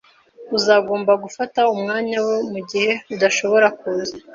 Uzagomba gufata umwanya we mugihe adashobora kuza